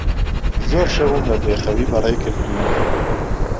زۆر شەوم بەبێخەوی بەڕێ کردوون.